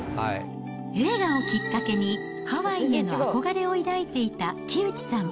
映画をきっかけに、ハワイへの憧れを抱いていた木内さん。